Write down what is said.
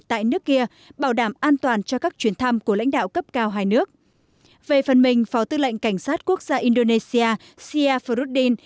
tại nước việt nam